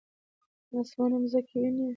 اسمان او مځکه وینې؟